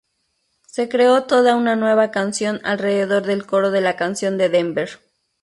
Se creó toda una nueva canción alrededor del coro de la canción de Denver.